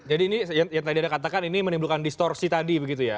jadi ini yang tadi anda katakan ini menimbulkan distorsi tadi begitu ya